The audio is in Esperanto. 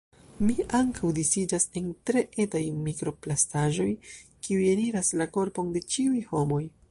"Mi ankaŭ disiĝas en tre etaj mikroplastaĵoj, kiuj eniras la korpon de ĉiuj homoj."